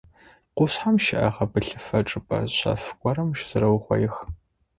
Къушъхьэм щыӏэ гъэбылъыгъэ чӏыпӏэ шъэф горэм щызэрэугъоигъэх.